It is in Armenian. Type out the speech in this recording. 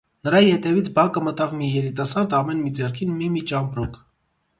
Նրա ետևից բակը մտավ մի երիտասարդ՝ ամեն մի ձեռքին մի-մի ճամպրուկ: